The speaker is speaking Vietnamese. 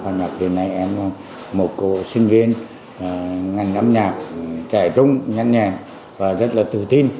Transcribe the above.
khoa nhập đến nay em là một cô sinh viên ngành âm nhạc trẻ trung nhanh nhàng và rất là tự tin